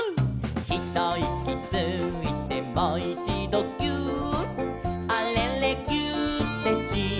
「ひといきついてもいちどぎゅーっ」「あれれぎゅーってしたら」